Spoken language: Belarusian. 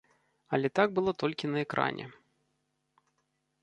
Але так было толькі на экране.